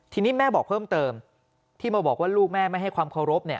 ทีนี้แม่บอกเพิ่มเติมที่มาบอกว่าลูกแม่ไม่ให้ความเคารพเนี่ย